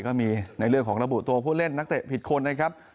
ก็มีในเรื่องของระบุตัวผู้เล่นนักเตะผิดคนนะครับ